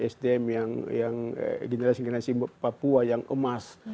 sdm yang generasi generasi papua yang emas